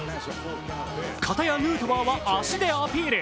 片やヌートバーは足でアピール。